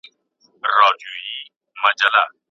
د داستان په تحقیق کې باید زمانه په نظر کې ونیول سي.